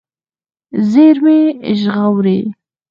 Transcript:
زیرمې ژغورئ.